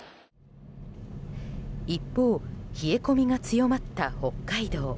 一方、冷え込みが強まった北海道。